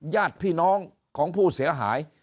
ญาติพี่น้องของผู้เสียหาย